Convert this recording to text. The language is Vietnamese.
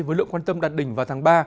với lượng quan tâm đạt đỉnh vào tháng ba